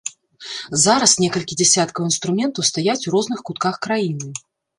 Зараз некалькі дзясяткаў інструментаў стаяць у розных кутках краіны.